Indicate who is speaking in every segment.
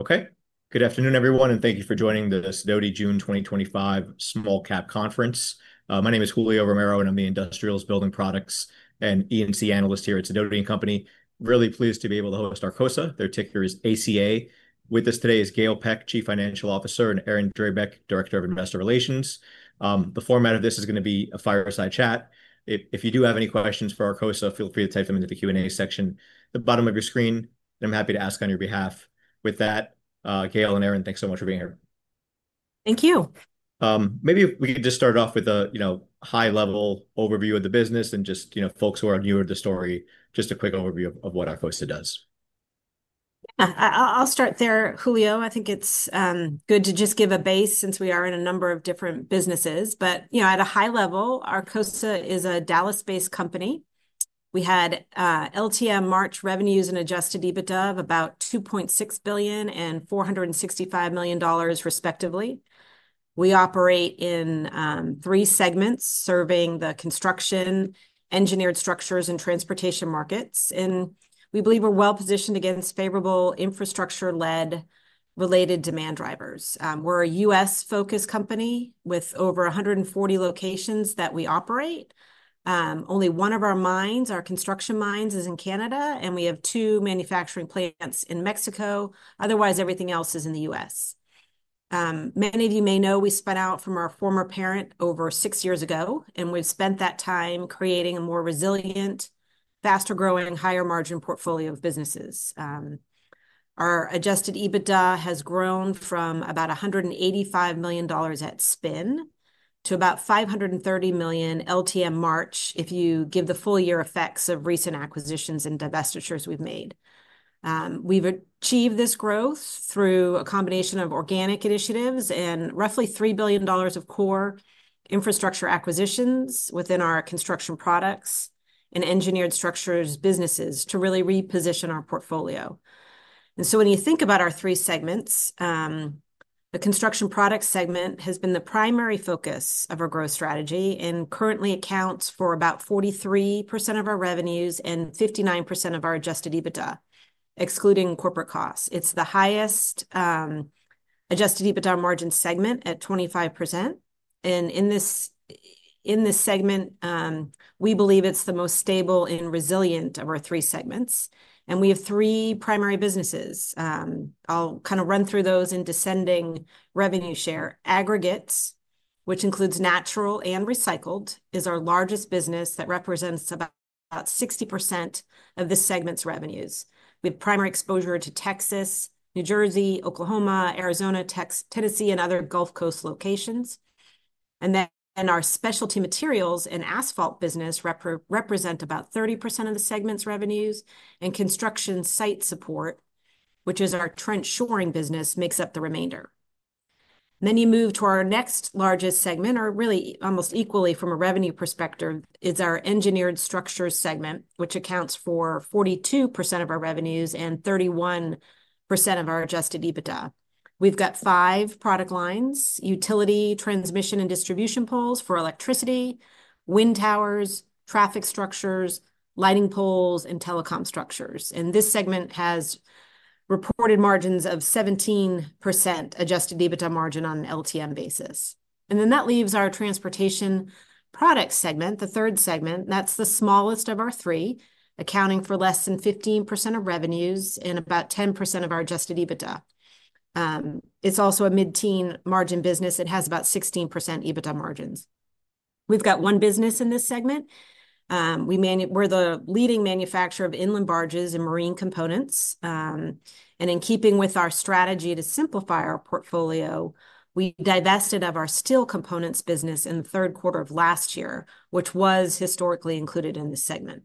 Speaker 1: Okay. Good afternoon everyone and thank you for joining the Sidoti June 2025 small cap conference. My name is Julio Romero and I'm the Industrials, Building Products and ENC Analyst here at Sidoti & Company. Really pleased to be able to host Arcosa. Their ticker is ACA. With us today is Gail Peck, Chief Financial Officer, and Aaron Drabek, Director of Investor Relations. The format of this is going to be a fireside chat. If you do have any questions for Arcosa, feel free to type them into the Q and A section at the bottom of your screen and I'm happy to ask on your behalf. With that, Gail and Aaron, thanks so much for being here.
Speaker 2: Thank you.
Speaker 1: Maybe we could just start off with a, you know, high level overview of the business and just, you know, folks who are newer to the story. Just a quick overview of what Arcosa does.
Speaker 2: I'll start there. Julio. I think it's good to just give a base since we are in a number of different businesses, but, you know, at a high level. Arcosa is a Dallas-based company. We had LTM March revenues and adjusted EBITDA of about $2.6 billion and $465 million respectively. We operate in three segments serving the construction, engineered structures, and transportation markets. We believe we're well positioned against favorable infrastructure-related demand drivers. We're a U.S.-focused company with over 140 locations that we operate. Only one of our construction mines is in Canada and we have two manufacturing plants in Mexico. Otherwise everything else is in the U.S. Many of you may know we spun out from our former parent over six years ago and we've spent that time creating a more resilient, faster-growing, higher-margin portfolio of businesses. Our adjusted EBITDA has grown from about $185 million at stake spin to about $530 million LTM March if you give the full year effects of recent acquisitions and divestitures we've made. We've achieved this growth through a combination of organic initiatives and roughly $3 billion of core infrastructure acquisitions within our construction products and engineered structures businesses to really reposition our portfolio. When you think about our three segments, the construction products segment has been the primary focus of our growth strategy and currently accounts for about 43% of our revenues and 59% of our adjusted EBITDA. Excluding corporate costs, it's the highest adjusted EBITDA margin segment at 25%. In this segment, we believe it's the most stable and resilient of our three segments and we have three primary businesses. I'll kind of run through those in descending revenue share. Aggregates, which includes natural and recycled, is our largest business. That represents about 60% of this segment's revenues. We have primary exposure to Texas, New Jersey, Oklahoma, Arizona, Tennessee, and other Gulf Coast locations. Our specialty materials and asphalt business represent about 30% of the segment's revenues. Construction site support, which is our trench shoring business, makes up the remainder. You move to our next largest segment, or really almost equally from a revenue perspective, which is our engineered structures segment. That accounts for 42% of our revenues and 31% of our adjusted EBITDA. We've got five product lines: utility transmission and distribution poles for electricity, wind towers, traffic structures, lighting poles, and telecom structures. This segment has reported margins of 17% adjusted EBITDA margin on an LTM basis. That leaves our transportation products segment, the third segment that's the smallest of our three, accounting for less than 15% of revenues and about 10% of our adjusted EBITDA. It's also a mid-teen margin business. It has about 16% EBITDA margins. We've got one business in this segment, we ManU. We're the leading manufacturer of inland barges and marine components, and in keeping with our strategy to simplify our portfolio, we divested our steel components business in the third quarter of last year, which was historically included in this segment.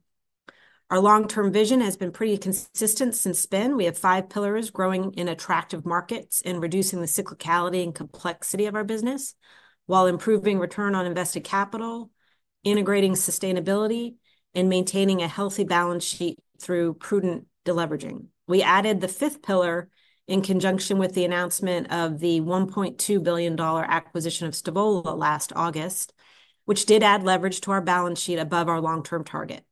Speaker 2: Our long-term vision has been pretty consistent since spin. We have five pillars: growing in attractive markets and reducing the cyclicality and complexity of our business while improving return on invested capital, integrating sustainability, and maintaining a healthy balance sheet through prudent deleveraging. We added the fifth pillar in conjunction with the announcement of the $1.2 billion acquisition of Stavola last August, which did add leverage to our balance sheet above our long term target.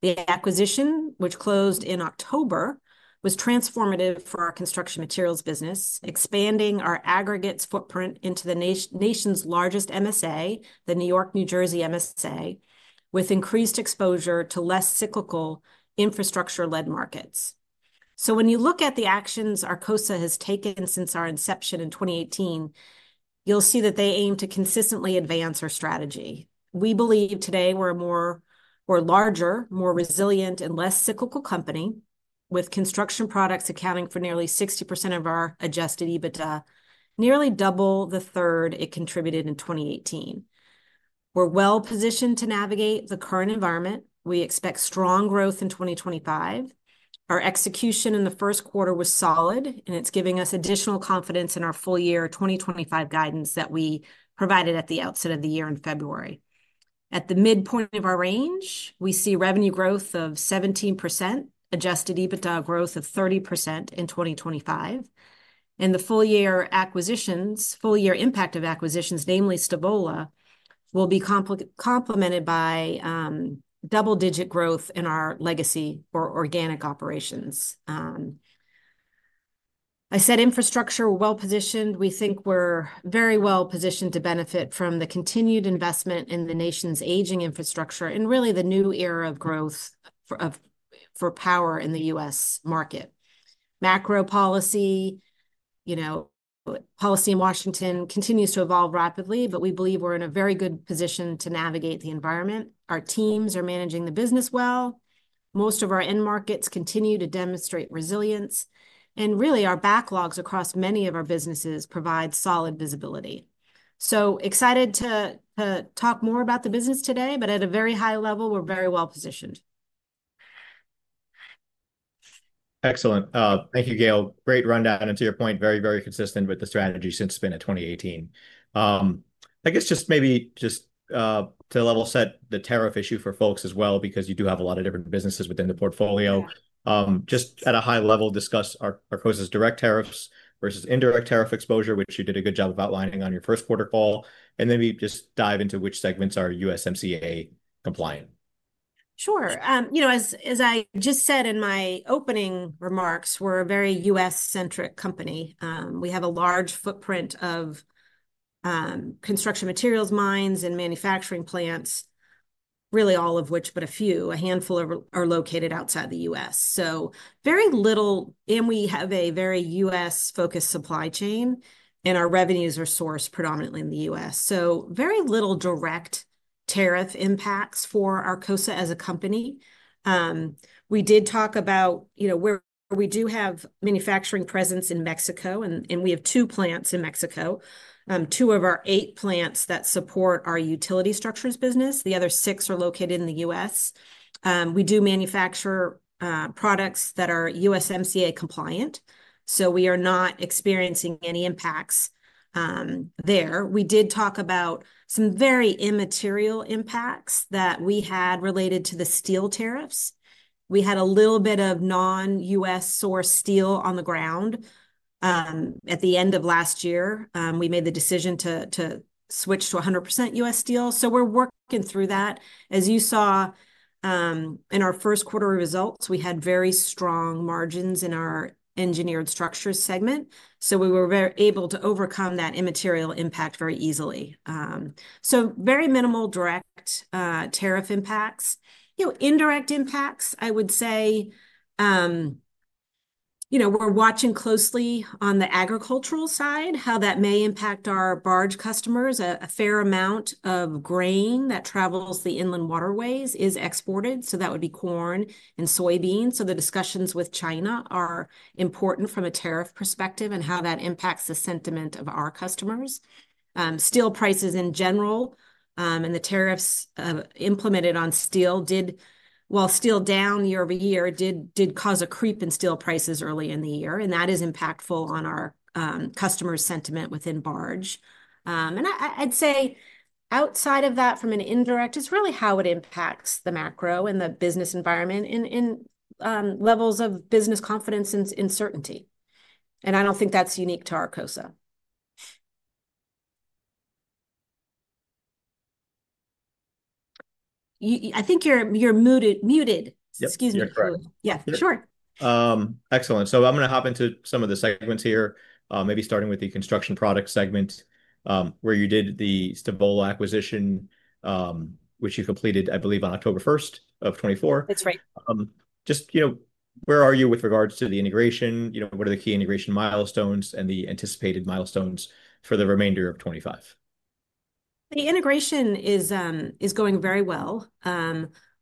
Speaker 2: The acquisition, which closed in October, was transformative for our construction materials business, expanding our aggregates footprint into the nation's largest MSA, the New York-New Jersey MSA, with increased exposure to less cyclical infrastructure-led markets. When you look at the actions Arcosa has taken since our inception in 2018, you'll see that they aim to consistently advance our strategy. We believe today we're larger, more resilient, and less cyclical company. With construction products accounting for nearly 60% of our adjusted EBITDA, nearly double the third it contributed in 2018, we're well positioned to navigate the current environment. We expect strong growth in 2025. Our execution in the first quarter was solid and it's giving us additional confidence in our full year 2025 guidance that we provided at the outset of the year in February. At the midpoint of our range we see revenue growth of 17%, adjusted EBITDA growth of 30% in 2025 and the full year acquisitions. Full year impact of acquisitions, namely Stavola, will be complemented by double digit growth in our legacy or organic operations. I said infrastructure well positioned. We think we're very well positioned to benefit from the continued investment in the nation's aging infrastructure and really the new era of growth for power in the U.S. market. Macro policy, you know policy in Washington continues to evolve rapidly but we believe we're in a very good position to navigate the environment. Our teams are managing the business well. Most of our end markets continue to demonstrate resilience and really our backlogs across many of our businesses provide solid visibility. Excited to talk more about the business today, but at a very high level. We're very well positioned.
Speaker 1: Excellent. Thank you, Gail. Great rundown. To your point, very, very consistent with the strategy since spin of 2018. I guess just maybe just to level set the tariff issue for folks as well because you do have a lot of different businesses within the portfolio. Just at a high level, discuss Arcosa's direct tariffs versus indirect tariff exposure, which you did a good job of outlining on your first quarter call. Then we just dive into which segments are USMCA compliant.
Speaker 2: Sure. You know, as I just said in my opening remarks, we're a very U.S.-centric company. We have a large footprint of construction materials, mines, and manufacturing plants, really all of which but a few, a handful, are located outside the U.S. So very little. And we have a very U.S.-focused supply chain and our revenues are sourced predominantly in the U.S. So very little direct tariff impacts for Arcosa as a company. We did talk about, you know, where we do have manufacturing presence in Mexico and we have two plants in Mexico, two of our eight plants that support our utility structures business. The other six are located in the U.S. We do manufacture products that are USMCA compliant, so we are not experiencing any impacts there. We did talk about some very immaterial impacts that we had related to the steel tariffs. We had a little bit of non-U.S. source steel on the ground. At the end of last year we made the decision to switch to 100% U.S. steel. So we're working through that. As you saw in our first quarter results, we had very strong margins in our engineered structures segment. So we were able to overcome that immaterial impact very easily. So very minimal direct tariff impacts, you know, indirect impacts. I would say, you know, we're watching closely on the agricultural side, how that may impact our barge customers. A fair amount of grain that travels the inland waterways is exported, so that would be corn and soybean. So the discussions with China are important from a tariff perspective and how that impacts the sentiment of our customers. Steel prices in general and the tariffs implemented on steel, while steel down year over year, did cause a creep in steel prices early in the year. That is impactful on our customer sentiment within BARGE. Outside of that, from an indirect, it is really how it impacts the macro and the business environment in levels of business confidence and certainty. I do not think that is unique to Arcosa. I think you are muted. Muted. Excuse me. Yeah, sure.
Speaker 1: Excellent. I'm going to hop into some of the segments here. Maybe starting with the construction products segment where you did the Stavola acquisition, which you completed, I believe, on October 1 of 2024.
Speaker 2: That's right.
Speaker 1: Just, you know, where are you with regards to the integration? You know, what are the key integration milestones and the anticipated milestones for the remainder of 2025?
Speaker 2: The integration is going very well.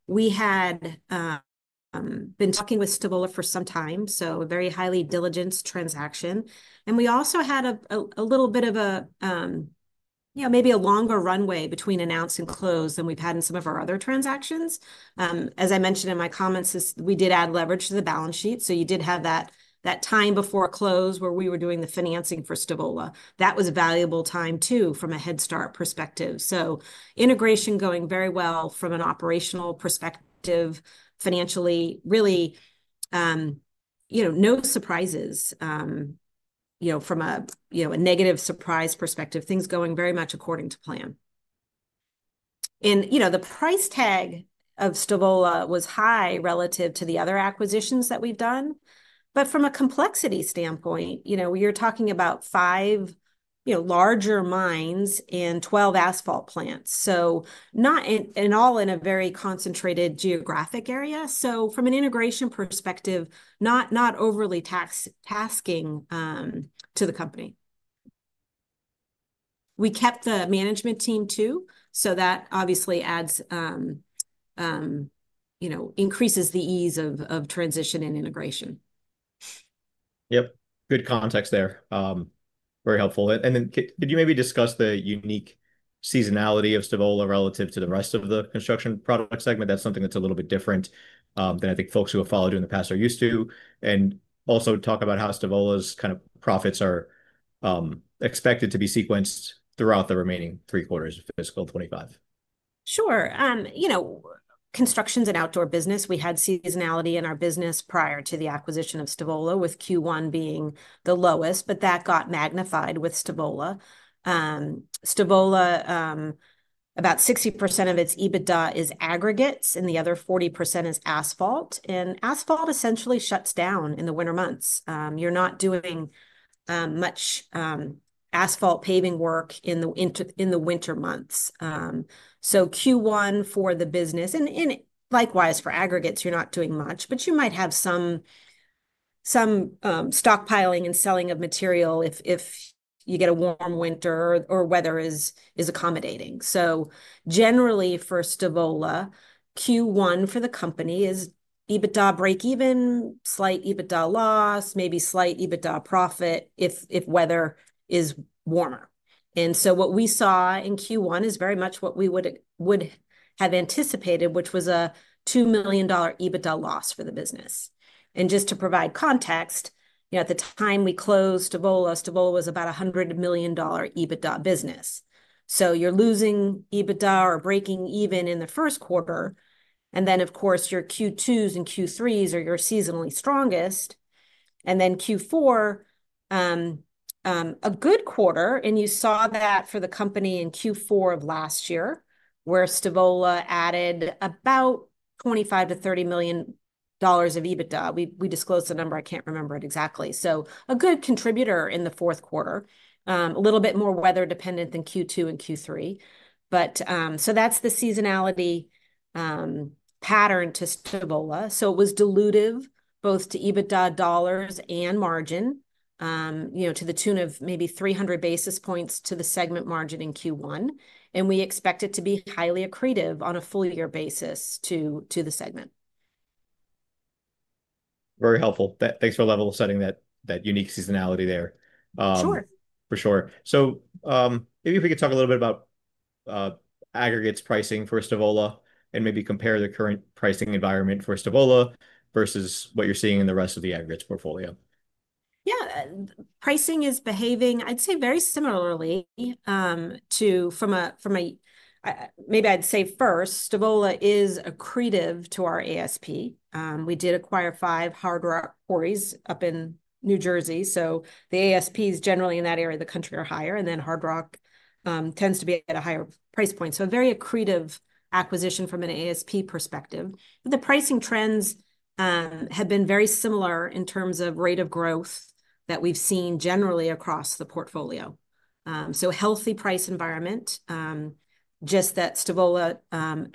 Speaker 2: We had been talking with Stavola for some time, so a very highly diligent transaction. We also had a little bit of a, you know, maybe a longer runway between announce and close than we've had in some of our other transactions. As I mentioned in my comments, we did add leverage to the balance sheet. You did have that time before close where we were doing the financing for Stavola. That was valuable time too from a head start perspective. Integration going very well from an operational perspective. Financially, really, you know, no surprises. You know, from a negative surprise perspective, things going very much according to plan and, you know, the price tag of Stavola was high relative to the other acquisitions that we've done. From a complexity standpoint, you know, you're talking about five, you know, larger mines and 12 asphalt plants. Not all in a very concentrated geographic area. From an integration perspective, not, not overly tasking to the company. We kept the management team too. That obviously adds, you know, increases the ease of transition and integration.
Speaker 1: Yep, good context there, very helpful. Could you maybe discuss the unique seasonality of Stavola relative to the rest of the construction product segment? That is something that is a little bit different than I think folks who have followed you in the past are used to. Also talk about how Stavola's kind of profits are expected to be sequenced throughout the remaining three quarters of fiscal 2025.
Speaker 2: Sure. You know, construction's an outdoor business. We had seasonality in our business prior to the acquisition of Stavola with Q1 being the lowest. That got magnified with Stavola. About 60% of its EBITDA is aggregates and the other 40% is asphalt. Asphalt essentially shuts down in the winter months. You're not doing much asphalt paving work in the winter months. Q1 for the business and likewise for aggregates, you're not doing much, but you might have some stockpiling and selling of material if you get a warm winter or weather is accommodating. Generally for Stavola, Q1 for the company is EBITDA break even, slight EBITDA loss, maybe slight EBITDA profit if weather is warmer. What we saw in Q1 is very much what we would have anticipated, which was a $2 million EBITDA loss for the business. Just to provide context, at the time we closed, Stavola was about a $100 million EBITDA business. You are losing EBITDA or breaking even in the first quarter. Your Q2s and Q3s are your seasonally strongest. Q4 is a good quarter. You saw that for the company in Q4 of last year where Stavola added about $25-$30 million of EBITDA. We disclosed the number. I cannot remember it exactly. A good contributor in the fourth quarter, a little bit more weather dependent than Q2 and Q3, but that is the seasonality pattern to Stavola. It was dilutive both to EBITDA dollars and margin, you know, to the tune of maybe 300 basis points to the segment margin in Q1. We expect it to be highly accretive on a full year basis to, to the segment.
Speaker 1: Very helpful, that. Thanks for level setting that, that unique seasonality there.
Speaker 2: Sure,
Speaker 1: for sure. Maybe if we could talk a little bit about aggregates pricing for Stavola and maybe compare the current pricing environment for Stavola versus what you're seeing in the rest of the aggregates portfolio.
Speaker 2: Yeah, pricing is behaving, I'd say, very similarly to, from a, from a. Maybe I'd say first, Stavola is accretive to our ASP. We did acquire five hard rock quarries up in New Jersey. The ASPs generally in that area of the country are higher, and then hard rock tends to be at a higher price point. A very accretive acquisition. From an ASP perspective, the pricing trends have been very similar in terms of rate of growth that we've seen generally across the portfolio. Healthy price environment. Just that Stavola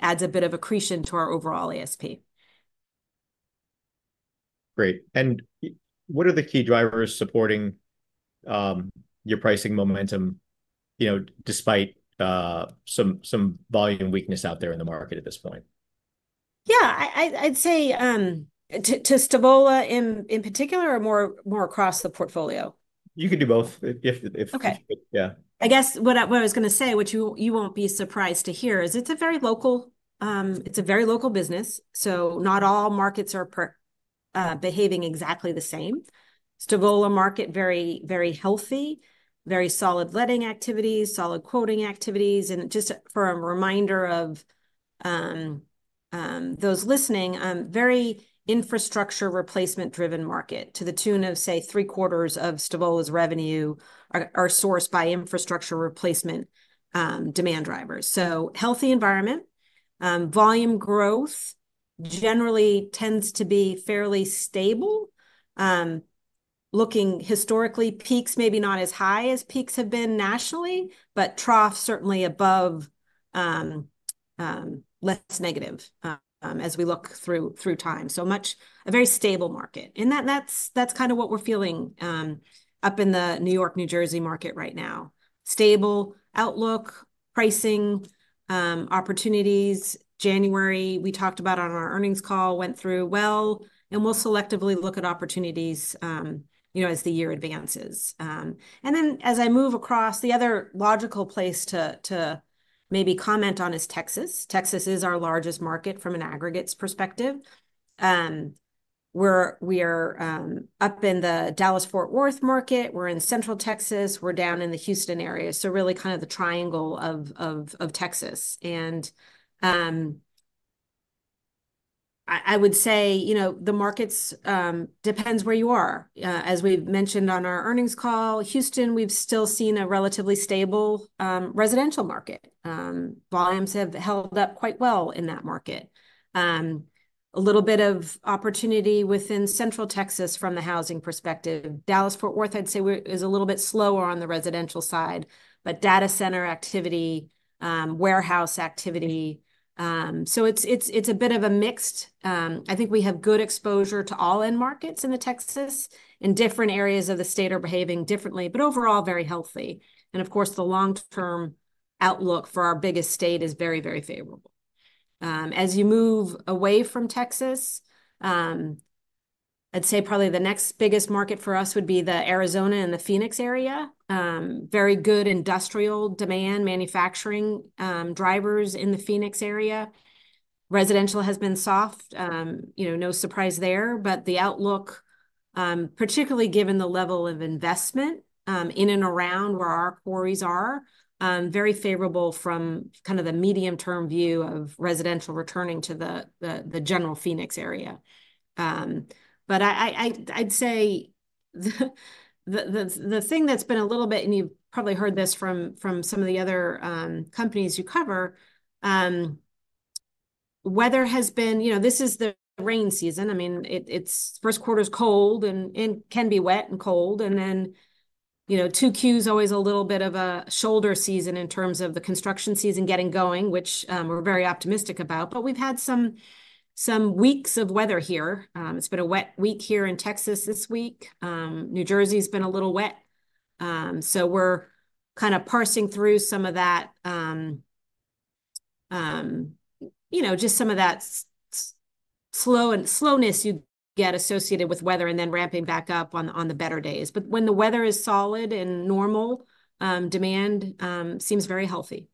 Speaker 2: adds a bit of accretion to our overall ASP.
Speaker 1: Great. What are the key drivers supporting your pricing momentum? You know, despite some volume weakness out there in the market at this point?
Speaker 2: Yeah, I'd say to Stavola in particular or more across the portfolio,
Speaker 1: you could do both.
Speaker 2: Okay.
Speaker 1: Yeah.
Speaker 2: I guess what I was going to say, which you will not be surprised to hear is it is a very local, it is a very local business. Not all markets are behaving exactly the same. Stavola market, very, very healthy, very solid letting activities, solid quoting activities. Just for a reminder of those listening, very infrastructure replacement driven market to the tune of say 3/4 of Stavola's revenue are sourced by infrastructure replacement demand drivers. Healthy environment, volume growth generally tends to be fairly stable. Looking historically, peaks maybe not as high as peaks have been nationally, but trough certainly above, less negative as we look through time. Much a very stable market. That is kind of what we are feeling up in the New York-New Jersey market right now. Stable outlook, pricing opportunities. January we talked about on our earnings call went through well and we'll selectively look at opportunities, you know, as the year advances and then as I move across the other logical place to, to maybe comment on is Texas. Texas is our largest market from an aggregates perspective. We're up in the Dallas-Fort Worth market. We're in Central Texas, we're down in the Houston area. Really kind of the triangle of Texas. I would say, you know, the markets depends where you are. As we've mentioned on our earnings call, Houston, we've still seen a relatively stable residential market. Volumes have held up quite well in that market. A little bit of opportunity within Central Texas from the housing perspective. Dallas-Fort Worth I'd say is a little bit slower on the residential side but data center activity, warehouse activity. It's a bit of a mixed. I think we have good exposure to all end markets in Texas. Different areas of the state are behaving differently, but overall very healthy. Of course, the long-term outlook for our biggest state is very, very favorable. As you move away from Texas, I'd say probably the next biggest market for us would be Arizona and the Phoenix area. Very good industrial demand, manufacturing drivers in the Phoenix area. Residential has been soft, you know, no surprise there. The outlook, particularly given the level of investment in and around where our quarries are, is very favorable from kind of the medium-term view of residential returning to the general Phoenix area. I'd say the thing that's been a little bit, and you've probably heard this from some of the other companies you cover, weather has been, you know, this is the rain season. I mean, first quarter's cold and can be wet and cold, and then, you know, 2Q is always a little bit of a shoulder season in terms of the construction season getting going, which we're very optimistic about. We've had some weeks of weather here. It's been a wet week here in Texas this week. New Jersey's been a little wet. We're kind of parsing through some of that, you know, just some of that slow and slowness you get associated with weather and then ramping back up on the better days. When the weather is solid and normal, demand seems very healthy.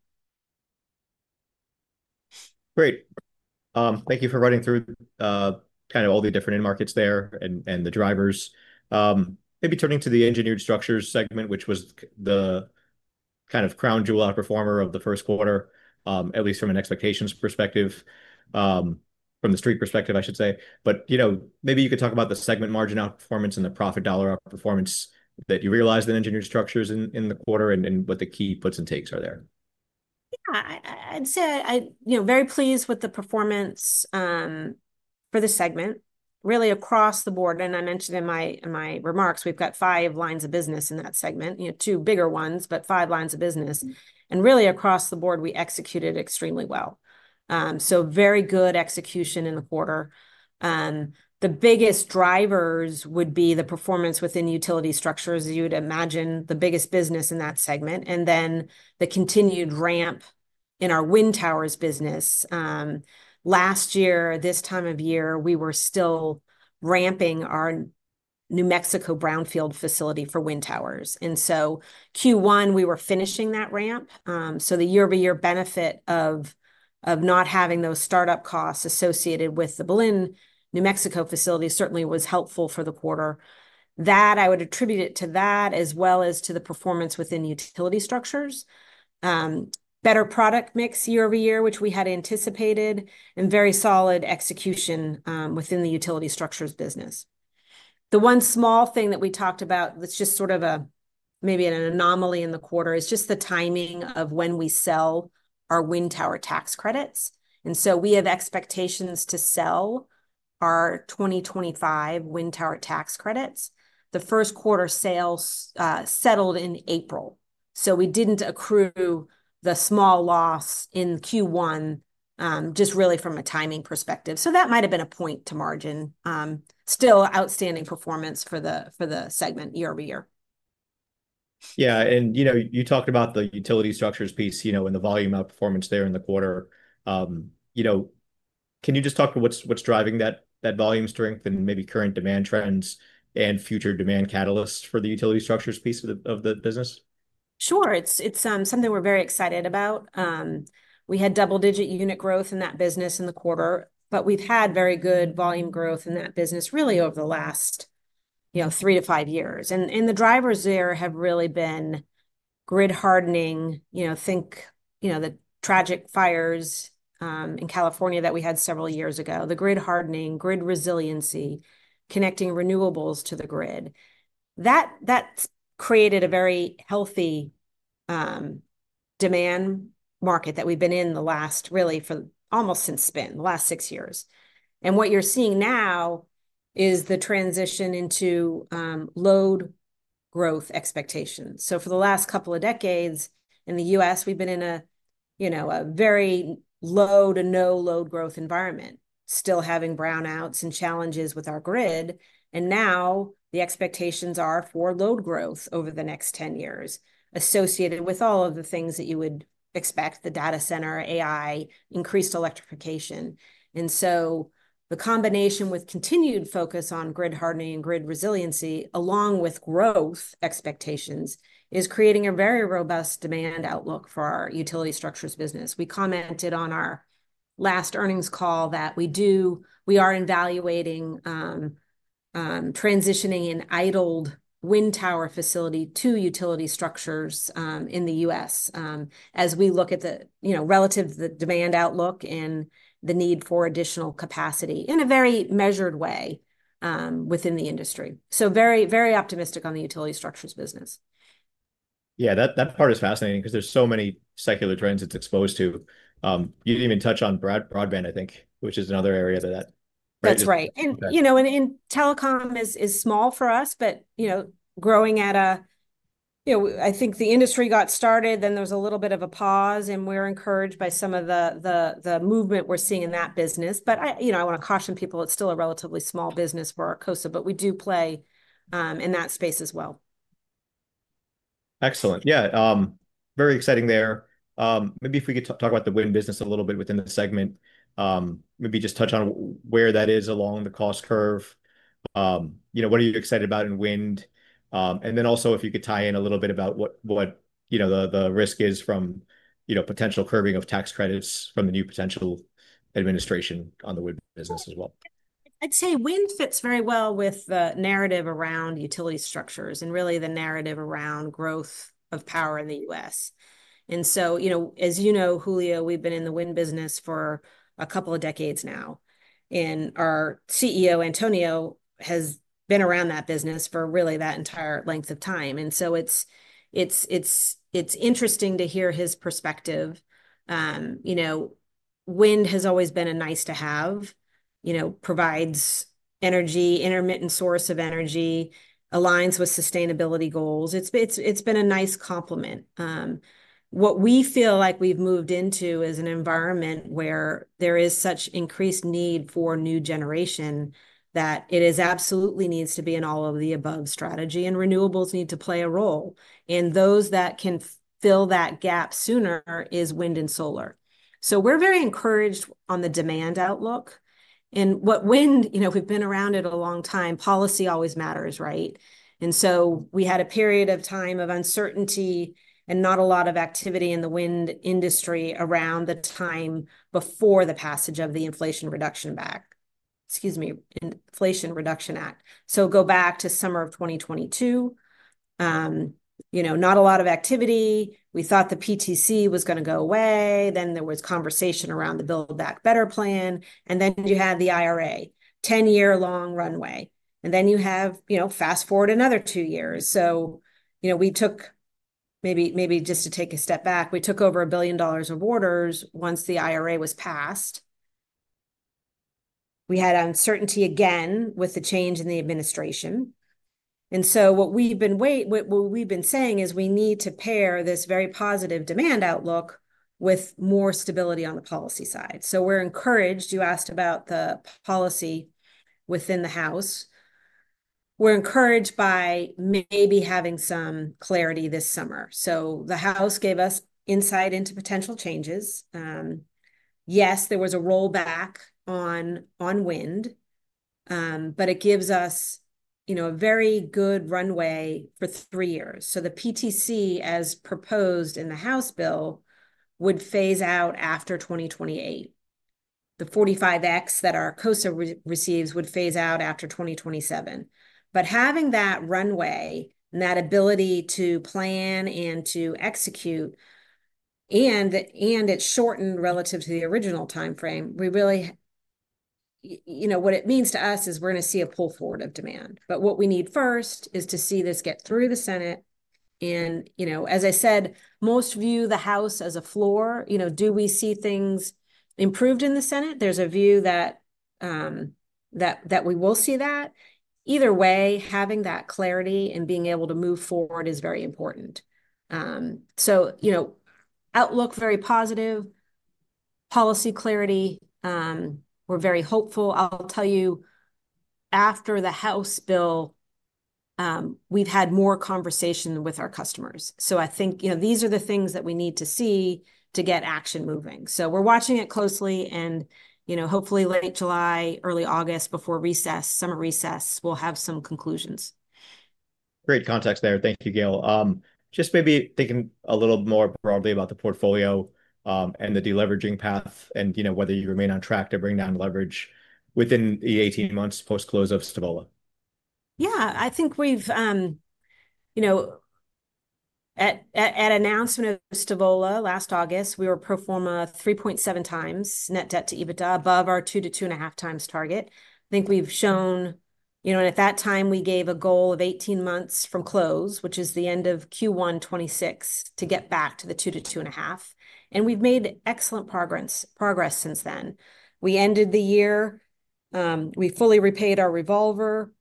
Speaker 1: Great. Thank you for running through kind of all the different end markets there and the drivers. Maybe turning to the engineered structures segment, which was the kind of crown jewel out performer of the first quarter, at least from an expectations perspective, from the street perspective I should say. You know, maybe you could talk about the segment margin outperformance and the profit dollar outperformance that you realized in engineered structures in the quarter and what the key puts and takes are there.
Speaker 2: Yeah, I'd say I, you know, very pleased with the performance for the segment really across the board. I mentioned in my remarks, we've got five lines of business in that segment, you know, two bigger ones, but five. Really across the board we executed extremely well. Very good execution in the quarter. The biggest drivers would be the performance within utility structures. You would imagine the biggest business in that segment and then the continued ramp in our wind towers business. Last year, this time of year we were still ramping our New Mexico brownfield facility for wind towers. Q1, we were finishing that ramp. The year over year benefit of not having those startup costs associated with the Belen, New Mexico facility certainly was helpful for the quarter. I would attribute it to that as well as to the performance within utility structures, better product mix year over year, which we had anticipated, and very solid execution within the utility structures business. The one small thing that we talked about that's just sort of a, maybe an anomaly in the quarter is just the timing of when we sell our wind tower tax credits. We have expectations to sell our 2025 wind tower tax credits the first quarter. Sales settled in April, so we did not accrue the small loss in Q1, just really from a timing perspective. That might have been a point to margin. Still outstanding performance for the segment year over year.
Speaker 1: Yeah. You know, you talked about the utility structures piece, you know, and the volume outperformance there in the quarter. Can you just talk about what's driving that volume strength and maybe current demand trends and future demand catalysts for the utility structures piece of the business?
Speaker 2: Sure, it's something we're very excited about. We had double-digit unit growth in that business in the quarter, but we've had very good volume growth in that business really over the last, you know, three to five years. The drivers there have really been grid hardening. You know, think, you know, the tragic fires in California that we had several years ago, the grid hardening, grid resiliency, connecting renewables to the grid. That created a very healthy demand market that we've been in really for almost since spin, the last six years. What you're seeing now is the transition into load growth expectations. For the last couple of decades in the U.S. we've been in a, you know, a very low to no load growth environment, still having brownouts and challenges with our grid. The expectations are for load growth over the next 10 years associated with all of the things that you would expect. The data center AI, increased electrification. The combination with continued focus on grid hardening and grid resiliency along with growth expectations is creating a very robust demand outlook for our utility structures business. We commented on our last earnings call that we are evaluating transitioning an idled wind tower facility to utility structures in the U.S. as we look at the demand outlook and the need for additional capacity in a very measured way within the industry. Very, very optimistic on the utility structures business.
Speaker 1: Yeah, that part is fascinating because there's so many secular trends it's exposed to. You didn't even touch on broadband, I think, which is another area that,
Speaker 2: that's right. You know, telecom is small for us, but you know, growing at a, you know, I think the industry got started, then there is a little bit of a pause and we are encouraged by some of the movement we are seeing in that business. I want to caution people it is still a relatively small business for Arcosa, but we do play in that space as well.
Speaker 1: Excellent. Yeah, very exciting there. Maybe if we could talk about the wind business a little bit within the segment, maybe just touch on where that is along the cost curve. You know, what are you excited about in wind? And then also if you could tie in a little bit about what, you know, the risk is from, you know, potential curbing of tax credits from the new potential administration on the wind business as well.
Speaker 2: I'd say wind fits very well with the narrative around utility structures and really the narrative around growth of power in the U.S., and so, you know, as you know Julio, we've been in the wind business for a couple of decades now and our CEO Antonio has been around that business for really that entire length of time. It's interesting to hear his perspective. You know, wind has always been a nice to have, you know, provides energy, intermittent source of energy, aligns with sustainability goals. It's been a nice complement. What we feel like we've moved into is an environment where there is such increased need for new generation that it absolutely needs to be an all of the above strategy and renewables need to play a role and those that can fill that gap sooner is wind and solar. We're very encouraged on the demand outlook and what wind, you know, we've been around it a long time. Policy always matters, right? We had a period of time of uncertainty and not a lot of activity in the wind industry around the time before the passage of the Inflation Reduction of Act excuse me Inflation Reduction Act. Go back to summer of 2022, you know, not a lot of activity. We thought the PTC was going to go away. There was conversation around the Build Back Better plan. You had the IRA 10-year long runway and then, you know, fast forward another two years. Maybe just to take a step back. We took over $1 billion of orders once the IRA was passed. We had uncertainty again with the change in the administration. What we have been saying is we need to pair this very positive demand outlook with more stability on the policy side. We are encouraged. You asked about the policy within the House. We are encouraged by maybe having some clarity this summer. The House gave us insight into potential changes. Yes, there was a rollback on wind, but it gives us a very good runway for three years. The PTC as proposed in the House bill would phase out after 2028. The 45X that Arcosa receives would phase out after 2027. Having that runway and that ability to plan and to execute, and it is shortened relative to the original time frame, we really, you know, what it means to us is we are going to see a pull forward of demand. What we need first is to see this get through the Senate. You know, as I said, most view the House as a floor. You know, do we see things improved in the Senate? There is a view that we will see that. Either way, having that clarity and being able to move forward is very important. You know, outlook, very positive policy clarity. We are very hopeful. I will tell you after the House bill, we have had more conversation with our customers. I think, you know, these are the things that we need to see to get action moving. We are watching it closely and, you know, hopefully late July, early August, before summer recess, we will have some conclusions.
Speaker 1: Great context there. Thank you, Gail. Just maybe thinking a little more broadly about the portfolio and the deleveraging path and, you know, whether you remain on track to bring down leverage within the 18 months post close of Stavola.
Speaker 2: Yeah, I think we've, you know, at announcement of Stavola last August, we were pro forma 3.7 times net debt to EBITDA above our 2-2.5 times target. I think we've shown, you know, at that time we gave a goal of 18 months from close, which is the end of Q1 2026, to get back to the 2-2.5. We've made excellent progress since then. We ended the year, we fully repaid our revolver,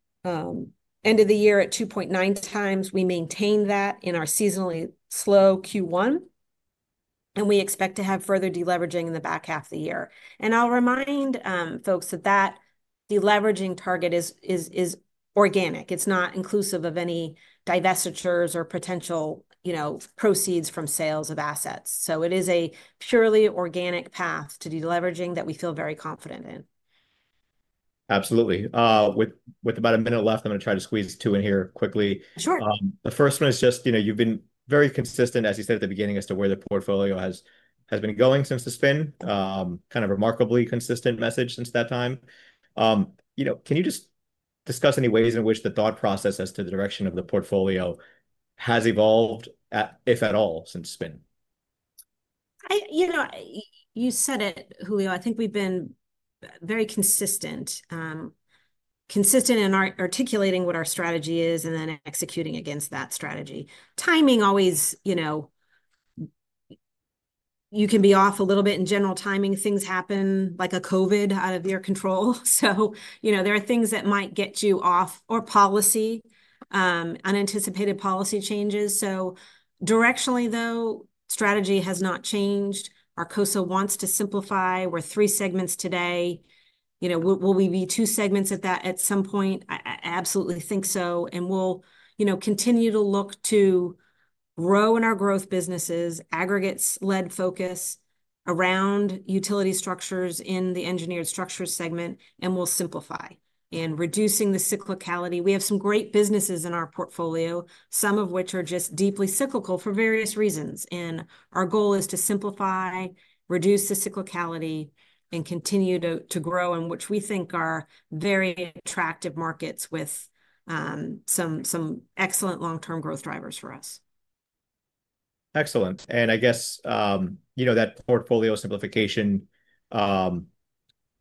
Speaker 2: ended the year at 2.9 times. We maintained that in our seasonally slow Q1. We expect to have further deleveraging in the back half of the year. I'll remind folks that that deleveraging target is organic. It's not inclusive of any divestitures or potential, you know, proceeds from sales of assets. It is a purely organic path to deleveraging that we feel very confident in.
Speaker 1: Absolutely. With about a minute left, I'm going to try to squeeze two in here quickly.
Speaker 2: Sure.
Speaker 1: The first one is just, you know, you've been very consistent as you said at the beginning as to where the portfolio has been going since the spin, kind of remarkably consistent message since that time. You know, can you just discuss any ways in which the thought process as to the direction of the portfolio has evolved, if at all, since spin?
Speaker 2: I, you know, you said it Julio. I think we've been very consistent in our articulating what our strategy is and then executing against that strategy. Timing always, you know, you can be off a little bit in general timing. Things happen like a COVID out of your control. You know, there are things that might get you off or unanticipated policy changes. Directionally though, strategy has not changed. Arcosa wants to simplify. We're three segments today. You know, will we be two segments at some point? I absolutely think so. We'll, you know, continue to look to grow in our growth businesses, aggregates led, focus around utility structures in the engineered structures segment. We'll simplify and reducing the cyclicality. We have some great businesses in our portfolio, some of which are just deeply cyclical for various reasons. and our goal is to simplify, reduce the cyclicality, and continue to grow in which we think are very attractive markets with some excellent long term growth drivers for us.
Speaker 1: Excellent. I guess you know, that portfolio simplification,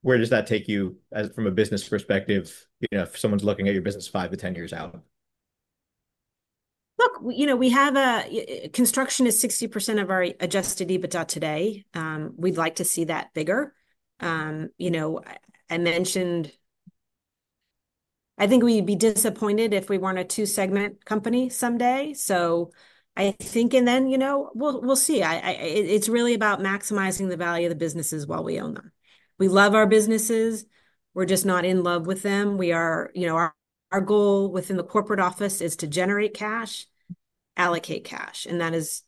Speaker 1: where does that take you as from a business perspective? You know, if someone's looking at your business five to 10 years out.
Speaker 2: Look, you know we have construction is 60% of our adjusted EBITDA today. We'd like to see that bigger. You know I mentioned I think we'd be disappointed if we were not a two segment company someday. I think and then, you know, we will, we will see. I, I, it is really about maximizing the value of the businesses while we own them. We love our businesses, we are just not in love with them. We are, you know, our goal within the corporate office is to generate cash, allocate cash and that is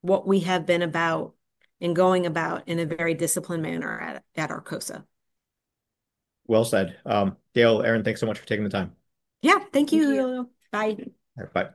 Speaker 2: what we have been about and going about in a very disciplined manner at Arcosa.
Speaker 1: Well said, Gail. Aaron, thanks so much for taking the time.
Speaker 2: Yeah, thank you, Julio. Bye.
Speaker 1: Bye bye.